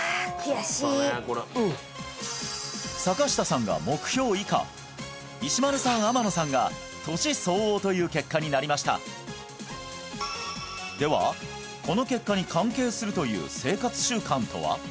悔しい坂下さんが目標以下石丸さん天野さんが年相応という結果になりましたではこの結果に関係するという生活習慣とは？